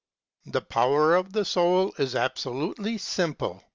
$ 57. The power of the soul is absolutely simple.